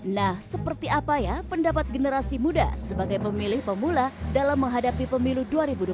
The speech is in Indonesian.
nah seperti apa ya pendapat generasi muda sebagai pemilih pemula dalam menghadapi perkembangan